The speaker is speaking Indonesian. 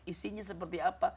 isinya seperti apa